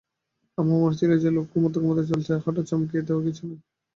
আমার মনে ছিল যে লোক ঘুমোতে ঘুমোতে চলছে তাকে হঠাৎ চমকিয়ে দেওয়া কিছু নয়।